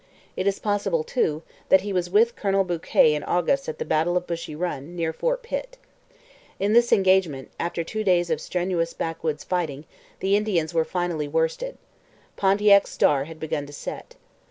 It is possible, too, that he was with Colonel Bouquet in August at the battle of Bushy Run, near Fort Pitt. In this engagement, after two days of strenuous backwoods fighting, the Indians were finally worsted. Pontiac's star had begun to set.